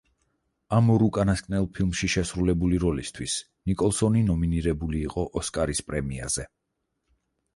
ამ ორ უკანასკნელ ფილმში შესრულებული როლისთვის ნიკოლსონი ნომინირებული იყო ოსკარის პრემიაზე.